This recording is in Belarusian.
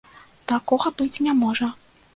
Такога быць не можа.